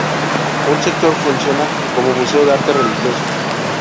Un sector funciona como museo de arte religioso.